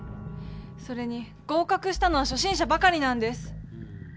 それに合かくしたのはしょ心者ばかりなんです。